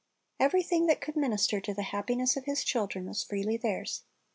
Everything that could minister to the happiness of his children was freely theirs.